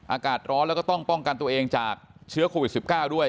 อากาศร้อนแล้วก็ต้องป้องกันตัวเองจากเชื้อโควิด๑๙ด้วย